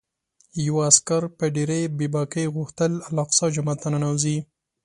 یوه عسکر په ډېرې بې باکۍ غوښتل الاقصی جومات ته ننوځي.